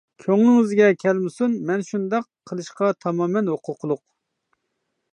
كۆڭلىڭىزگە كەلمىسۇن، مەن شۇنداق قىلىشقا تامامەن ھوقۇقلۇق.